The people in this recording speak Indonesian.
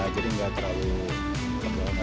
jadi nggak terlalu nggak terlalu ringan